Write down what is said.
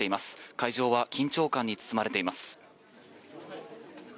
会場は緊張感に包まれています。